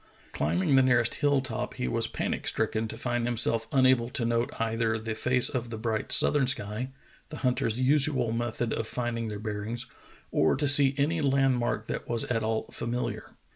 Climbing the nearest hill top, he was panic stricken to find himself unable to note either the face of the bright southern sky, the hunters' usual method of finding their bearings, or to see any land mark that was at all famiHar.